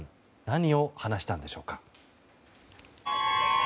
何を話したのでしょうか。